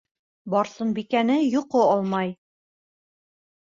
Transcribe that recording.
Барсынбикәне йоҡо алмай.